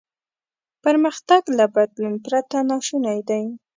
پرمختګ له بدلون پرته ناشونی دی.